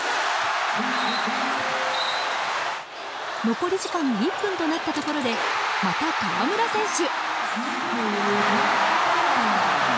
残り時間１分となったところでまた河村選手！